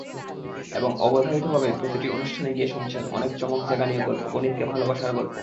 এবং অবধারিতভাবেই প্রতিটি অনুষ্ঠানে গিয়ে শুনছেন অনেক চমক-জাগানিয়া গল্প, গণিতকে ভালোবাসার গল্প।